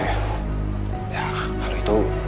ya kalau itu